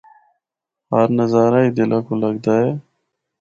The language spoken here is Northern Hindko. ہر نظارہ ہی دلاّ کو لگدا اے۔